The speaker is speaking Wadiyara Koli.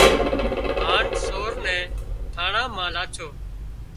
هانَ سور نين ٿاڻان مان لاڇو